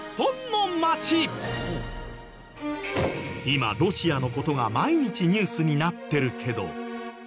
今ロシアの事が毎日ニュースになってるけど。